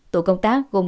tổ công tác gồm